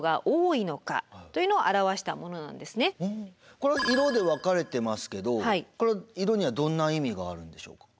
これは色で分かれてますけど色にはどんな意味があるのでしょうか。